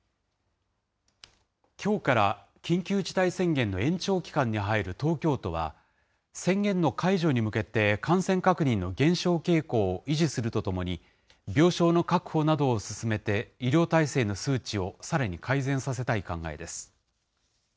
きょうから緊急事態宣言の延長期間に入る東京都は、宣言の解除に向けて感染確認の減少傾向を維持するとともに、病床の確保などを進めて医療体制の数値をさらに改善させたい考えです。